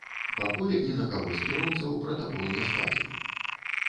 Пакуль ні на каго з кіроўцаў пратакол не складзены.